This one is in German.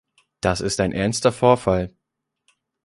Das ist ein ernster Vorfall.